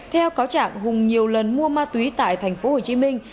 theo cáo trạng hùng nhiều lần mua ma túy tại thành phố hồ chí minh